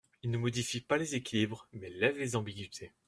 Il ne modifie pas les équilibres mais lève les ambiguïtés.